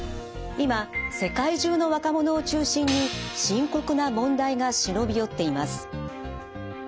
今世界中の若者を中心に深刻な問題が忍び寄っています。